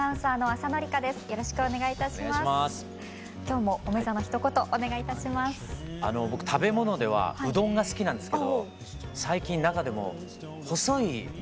あの僕食べ物ではうどんが好きなんですけど最近中でも細い麺のうどん。